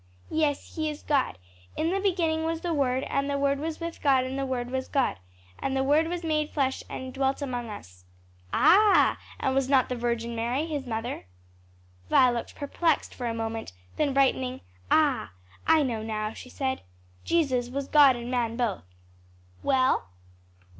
"Yes; he is God. 'In the beginning was the Word, and the Word was with God, and the Word was God.' 'And the Word was made flesh, and dwelt among us.'" "Ah! and was not the Virgin Mary his mother?'" Vi looked perplexed for a moment, then brightening, "Ah, I know now,'" she said, "Jesus was God and man both.'" "Well?"